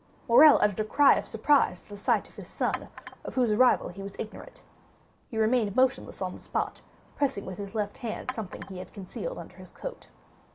Morrel uttered a cry of surprise at the sight of his son, of whose arrival he was ignorant. He remained motionless on the spot, pressing with his left hand something he had concealed under his coat.